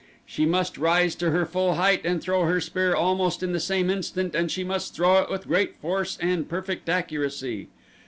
She must rise to her full height and throw her spear almost in the same instant and she must throw it with great force and perfect accuracy.